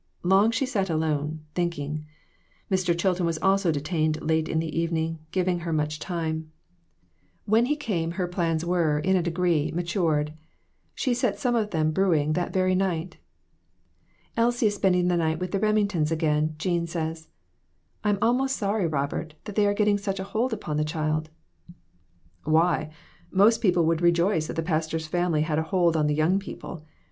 Long she sat alone, thinking ; Mr. Chilton was also detained late in the evening, giving her much time. 248 READY TO MAKE SACRIFICES. When he came her plans were, in a degree, matured. She set some of them brewing that very night. "Elsie is spending the night with the Reming tons again, Jean says. I'm almost sorry, Rob ert, that they are getting such a hold upon the child." "Why? Most people would rejoice that the pastor's family had a hold on the young people.